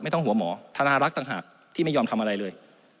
ต้องหัวหมอธนารักษ์ต่างหากที่ไม่ยอมทำอะไรเลย